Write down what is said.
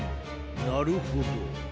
なるほど。